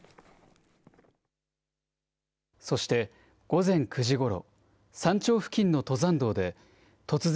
そして午前９時ごろ、山頂付近の登山道で、突然、